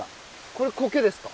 これコケですか？